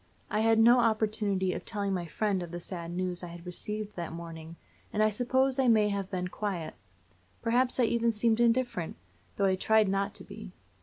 I had no opportunity of telling my friend of the sad news I had received that morning, and I suppose I may have been quiet; perhaps I even seemed indifferent, though I tried not to be.